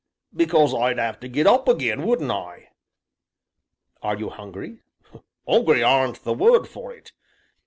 "Because I'd 'ave to get up again, wouldn't I?" "Are you hungry? "'Ungry aren't the word for it."